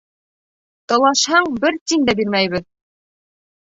Талашһаң, бер тин дә бирмәйбеҙ!